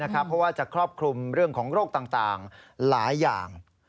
เพราะว่าจะครอบคลุมเรื่องของโรคต่างหลายอย่าง